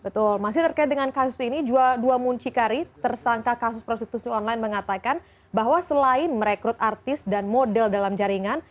betul masih terkait dengan kasus ini dua muncikari tersangka kasus prostitusi online mengatakan bahwa selain merekrut artis dan model dalam jaringan